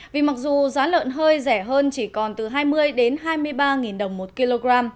vì mặc dù giá lợn hơi rẻ hơn chỉ còn từ hai mươi hai mươi ba đồng một kg